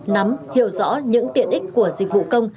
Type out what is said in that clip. nắm hiểu rõ những tiện ích của dịch vụ công